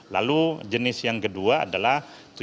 lalu jenis yang kedua adalah